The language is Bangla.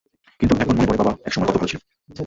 কিন্তু এখন মনে পড়ে বাবা একসময় কত ভালো ছিল।